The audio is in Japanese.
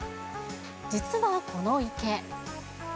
実はこの池。